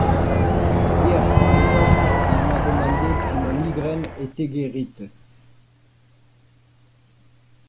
Hier, par exemple, il m’a demandé si ma migraine était guérite.